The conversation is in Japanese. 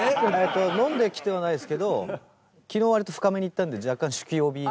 飲んできてはないですけど昨日割と深めにいったんで若干酒気帯びな。